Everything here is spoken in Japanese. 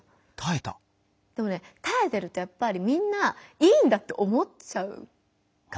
でもねたえてるとやっぱりみんな「いいんだ」って思っちゃうから。